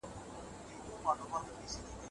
د زيات نفوس له امله اقتصادي ستونزي پيدا کېږي.